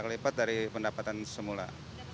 empat kali lipat dari pendapatan semula